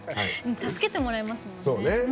助けてもらえますもんね。